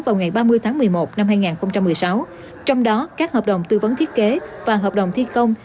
vào ngày ba mươi tháng một mươi một năm hai nghìn một mươi sáu trong đó các hợp đồng tư vấn thiết kế và hợp đồng thi công